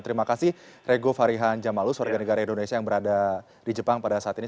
terima kasih rego farihan jamalus warga negara indonesia yang berada di jepang pada saat ini